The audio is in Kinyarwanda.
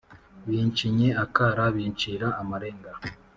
bincinye akara bincira amarenga